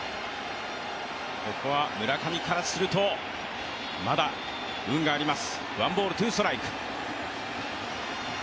ここは村上からするとまだ運があります。